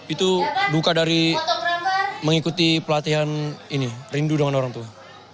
itu duka dari mengikuti pelatihan ini rindu dengan orang tua